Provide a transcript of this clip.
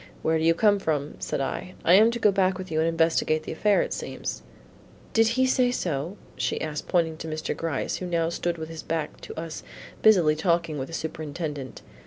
"Where do you come from," said I, "I am to go back with you and investigate the affair it seems." "Did he say so?" she asked, pointing to Mr. Gryce who now stood with his back to us busily talking with the Superintendent.